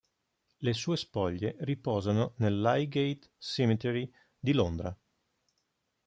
Le sue spoglie riposano nel Highgate Cemetery di Londra.